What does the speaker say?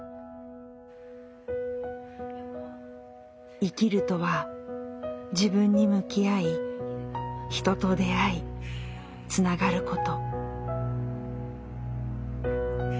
生きるとは自分に向き合い人と出会いつながること。